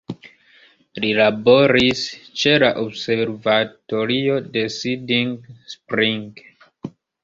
Li laboris ĉe la Observatorio de Siding Spring.